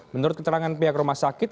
menurut keterangan pihak rumah sakit